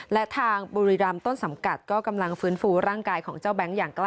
และทางบุรีรำต้นสังกัดก็กำลังฟื้นฟูร่างกายของเจ้าแบงค์อย่างใกล้